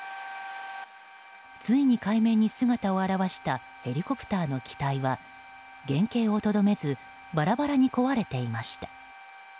ついに海面に姿を現したヘリコプターの機体は原形をとどめずバラバラに壊れていました。